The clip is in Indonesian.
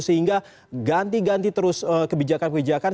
sehingga ganti ganti terus kebijakan kebijakan